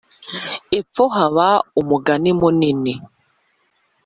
epfo haba umugina munini